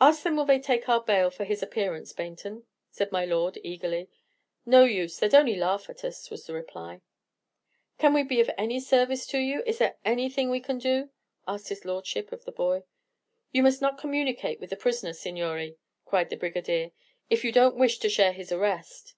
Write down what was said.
"Ask them will they take our bail for his appearance, Baynton," said my lord, eagerly. "No use, they 'd only laugh at us," was the reply. "Can we be of any service to you? Is there anything we can do?" asked his Lordship of the boy. "You must not communicate with the prisoner, signore," cried the brigadier, "if you don't wish to share his arrest."